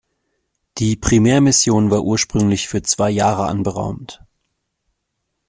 Die Primärmission war ursprünglich für zwei Jahre anberaumt.